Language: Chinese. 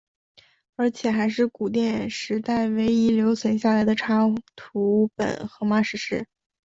而且还是古典时代唯一留存下来的插图本荷马史诗。